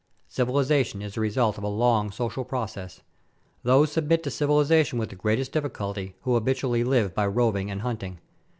" Civilization is the result of a long social process." Those submit to civilization with the greatest difficulty who habitually live by roving and hunting.